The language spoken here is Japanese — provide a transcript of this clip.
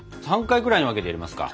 ３回くらいに分けて入れますか？